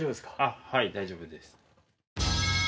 あっはい大丈夫です。